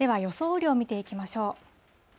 雨量を見ていきましょう。